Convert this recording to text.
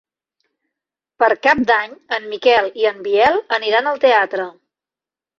Per Cap d'Any en Miquel i en Biel aniran al teatre.